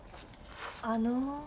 あの。